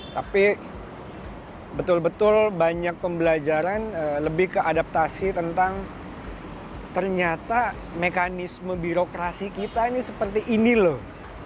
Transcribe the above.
tapi betul betul banyak pembelajaran lebih ke adaptasi tentang ternyata mekanisme birokrasi kita ini seperti ini loh